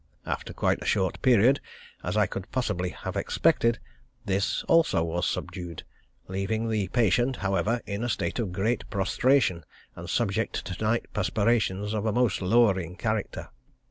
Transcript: After quite as short a period as I could possibly have expected, this also was subdued, leaving the patient, however, in a state of great prostration, and subject to night perspirations of a most lowering character.